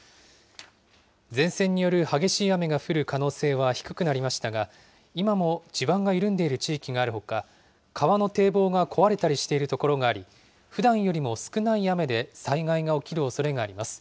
前線による激しい雨が降る可能性は低くなりましたが、今も地盤が緩んでいる地域があるほか、川の堤防が壊れたりしている所があり、ふだんよりも少ない雨で災害が起きるおそれがあります。